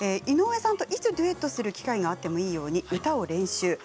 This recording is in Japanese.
井上さんと、いつデュエットする機会があってもいいように歌を練習。